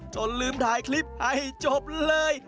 จนลืมถ่ายคลิปให้จบเลย